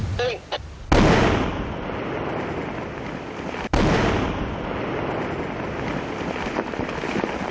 เป็น๔ช่องจาราจร